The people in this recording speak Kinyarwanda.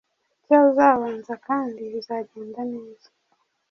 icyo uzabanza kandi bizagenda neza